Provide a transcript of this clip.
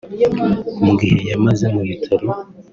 Mu gihe yamaze mu bitaro